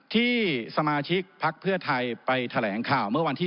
ที่สมาชิกภาคเพื่อไทยไปแถลงข่าว